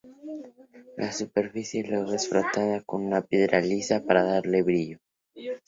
La superficie luego es frotada con una piedra lisa para darle brillo.